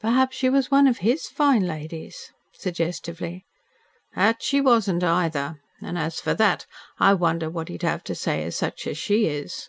"Perhaps she was one of HIS fine ladies?" suggestively. "That she wasn't, either. And, as for that, I wonder what he'd have to say to such as she is."